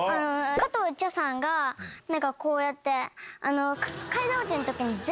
加藤茶さんがこうやって。